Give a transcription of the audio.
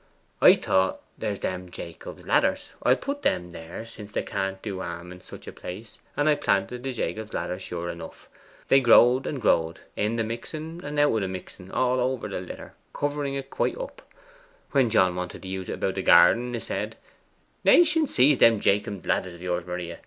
I thought, "There's them Jacob's ladders; I'll put them there, since they can't do harm in such a place;" and I planted the Jacob's ladders sure enough. They growed, and they growed, in the mixen and out of the mixen, all over the litter, covering it quite up. When John wanted to use it about the garden, 'a said, "Nation seize them Jacob's ladders of yours, Maria!